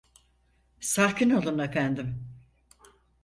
Sakin olun efendim.